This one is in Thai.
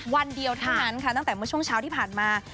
วันเดียวเท่านั้นค่ะตั้งแต่เมื่อช่วงเช้าที่ผ่านมา